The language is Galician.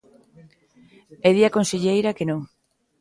E di a conselleira que non.